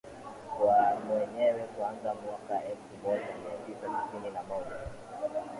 kwa wenyewe kuanzia mwaka elfumoja miatisa tisini na moja